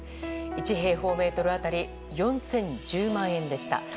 １平方メートル当たり４０１０万円でした。